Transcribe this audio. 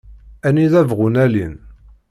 Anida bɣun alin.